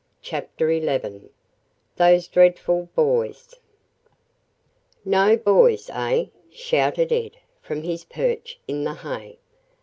CHAPTER XI THOSE DREADFUL BOYS "No BOYS, eh?" shouted Ed from his "perch" in the hay.